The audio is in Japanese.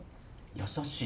優しい。